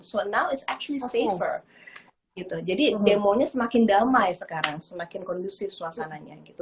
so now it's actually safer gitu jadi demo nya semakin damai sekarang semakin kondusif suasananya gitu